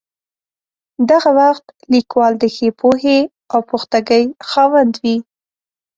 دغه وخت لیکوال د ښې پوهې او پختګۍ خاوند وي.